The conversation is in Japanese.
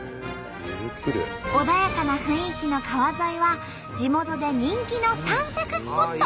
穏やかな雰囲気の川沿いは地元で人気の散策スポット。